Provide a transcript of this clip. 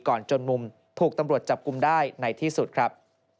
จนมุมถูกตำรวจจับกลุ่มได้ในที่สุดครับ